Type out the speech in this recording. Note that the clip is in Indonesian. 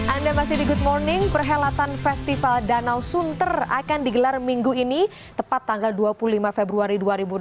anda masih di good morning perhelatan festival danau sunter akan digelar minggu ini tepat tanggal dua puluh lima februari dua ribu delapan belas